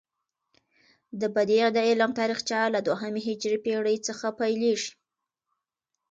د بدیع د علم تاریخچه له دوهمې هجري پیړۍ څخه پيلیږي.